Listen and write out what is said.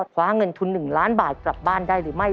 คว้าเงินทุน๑ล้านบาทกลับบ้านได้หรือไม่